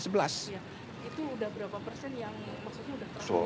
itu udah berapa persen yang maksudnya sudah tambah